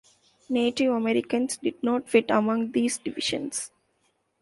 Native Americans did not fit among these divisions.